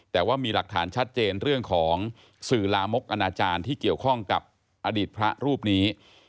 แต่ว่ามีหลักฐานชัดเจนเรื่องของสื่อลามกอนาจารย์ที่เกี่ยวข้องกับอดีตพระรูปนี้